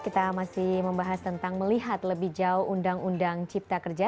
kita masih membahas tentang melihat lebih jauh undang undang cipta kerja